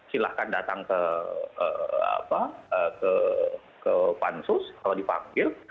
silahkan datang ke pansus kalau dipanggil